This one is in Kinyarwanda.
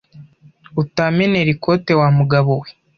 utamenera ikoti wa mugabowe